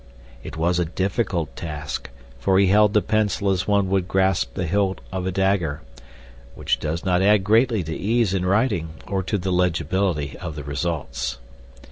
It was a difficult task, for he held the pencil as one would grasp the hilt of a dagger, which does not add greatly to ease in writing or to the legibility of the results.